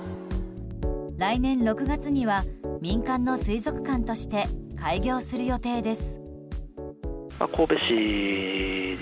来年６月には民間の水族館として開業する予定です。